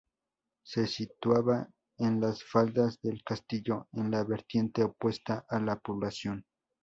Se situaba en las faldas del Castillo, en la vertiente opuesta a la población.